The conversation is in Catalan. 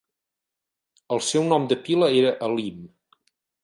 El seu nom de pila era Elim.